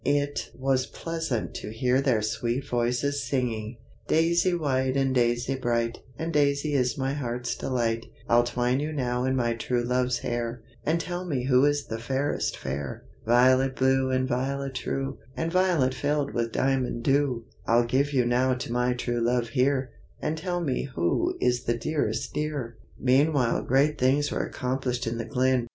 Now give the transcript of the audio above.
It was pleasant to hear their sweet voices singing: Daisy white and Daisy bright, And Daisy is my heart's delight! I'll twine you now in my true love's hair, And tell me who is the fairest fair! Violet blue and Violet true, And Violet filled with diamond dew! I'll give you now to my true love here, And tell me who is the dearest dear! Meanwhile great things were accomplished in the glen.